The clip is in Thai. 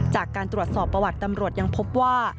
จากการตรวจสอบประวัติตำรวจยังพบว่า